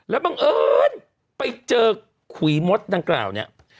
แล้วบังเอิญไปเจอขุยมดดังกล่าวเนี่ย